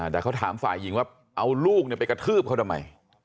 แต่เขาถามฝ่ายหญิงว่าเอาลูกไปกระทืบเขาทำไม